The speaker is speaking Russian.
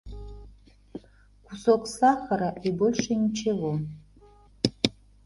Кусок сахара и больше ничего.